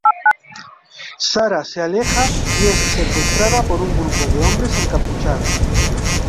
Sarah se aleja y es secuestrada por un grupo de hombres encapuchados.